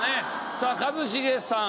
さあ一茂さん。